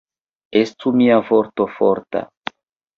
Estu mia vorto forta!